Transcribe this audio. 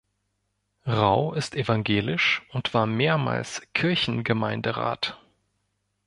Rau ist evangelisch und war mehrmals Kirchengemeinderat.